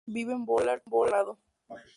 Vive en Boulder, Colorado.